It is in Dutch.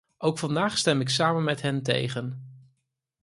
Ook vandaag stem ik samen met hen tegen.